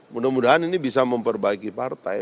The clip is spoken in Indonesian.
mudah mudahan ini bisa memperbaiki partai